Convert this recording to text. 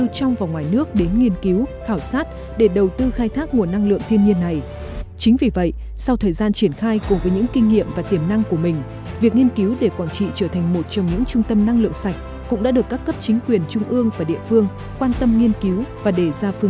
xin chào và hẹn gặp lại các bạn trong những video tiếp theo